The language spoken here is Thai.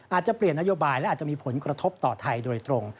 อาจจะเปลี่ยนนโยบายและอาจจะมีผลกระทบต่อไทยโดยตรง